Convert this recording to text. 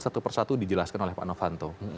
satu persatu dijelaskan oleh pak novanto